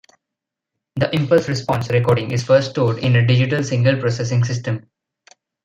The impulse-response recording is first stored in a digital signal-processing system.